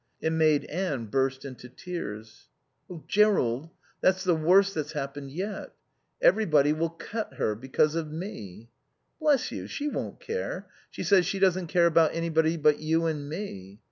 It made Anne burst into tears. "Oh, Jerrold, that's the worst that's happened yet. Everybody'll cut her, because of me." "Bless you, she won't care. She says she doesn't care about anybody but you and me."